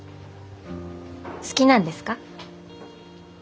好きなんですか？